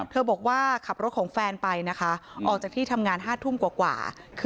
บอกว่าขับรถของแฟนไปนะคะออกจากที่ทำงาน๕ทุ่มกว่า